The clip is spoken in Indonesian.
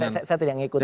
saya tidak mengikuti